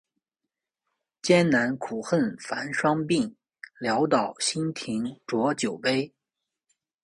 艰难苦恨繁霜鬓，潦倒新停浊酒杯